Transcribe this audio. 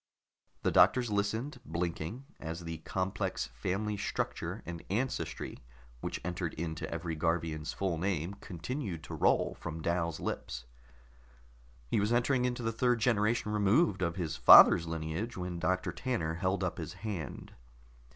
The doctors listened, blinking, as the complex family structure and ancestry which entered into every Garvian's full name continued to roll from Dal's lips. He was entering into the third generation removed of his father's lineage when Doctor Tanner held up his hand.